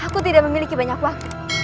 aku tidak memiliki banyak waktu